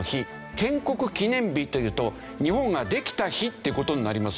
建国記念日というと日本ができた日っていう事になりますでしょ。